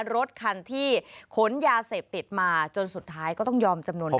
รถคันที่ขนยาเสพติดมาจนสุดท้ายก็ต้องยอมจำนวนได้